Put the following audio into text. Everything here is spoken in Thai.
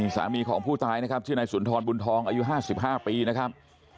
สามีของผู้ตายนะครับชื่อนายสุนทรบุญทองอายุ๕๕ปีนะครับ